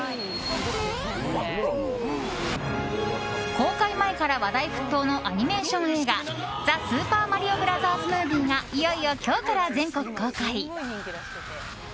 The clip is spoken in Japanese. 公開前から話題沸騰のアニメーション映画「ザ・スーパーマリオブラザーズ・ムービー」がいよいよ今日から全国公開。